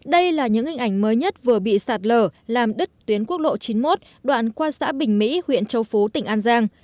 đây là những hình ảnh mới nhất vừa bị sạt lở làm đứt tuyến quốc lộ chín mươi một đoạn qua xã bình mỹ huyện châu phú tỉnh an giang